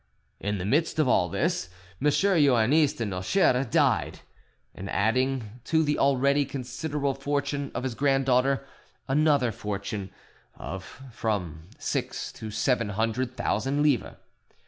In the midst of all this, M. Joannis de Nocheres died, and added to the already considerable fortune of his granddaughter another fortune of from six to seven hundred thousand livres.